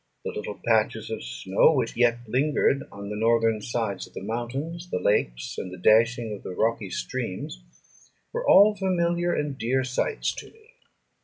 The little patches of snow which yet lingered on the northern sides of the mountains, the lakes, and the dashing of the rocky streams, were all familiar and dear sights to me.